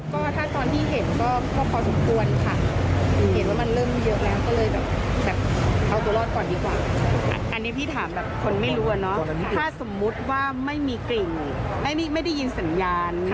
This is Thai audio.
หรือหรือไม่รู้อ่ะเนอะถ้าสมมุติไม่มีกลิ่นไม่ได้ยินสัญญาณ